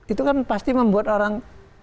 itu kan pasti membuat orang